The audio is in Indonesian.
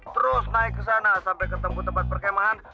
terus naik ke sana sampai ketemu tempat perkemahan